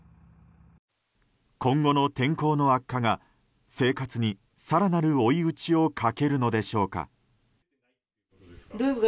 今後の天候の悪化が、生活に更なる追い打ちをかけるのでしょうか。